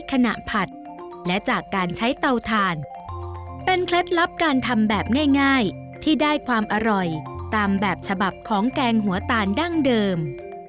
ผัดและจากการใช้เตาถ่านเป็นเคล็ดลับการทำแบบง่ายที่ได้ความอร่อยตามแบบฉบับของแกงหัวตาลดั้งเดิม